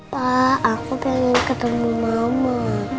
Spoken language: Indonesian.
pak aku pengen ketemu mama